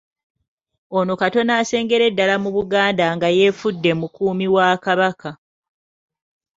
Ono katono asengere ddala mu Buganda nga yeefudde mukuumi wa Kabaka.